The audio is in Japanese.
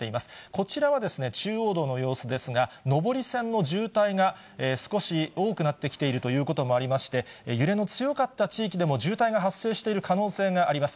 こちらは中央道の様子ですが、上り線の渋滞が少し多くなってきているということもありまして、揺れの強かった地域でも、渋滞が発生している可能性があります。